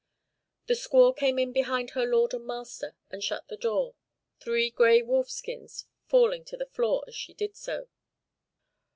The squaw came in behind her lord and master, and shut the door, three grey wolf skins falling to the floor as she did so.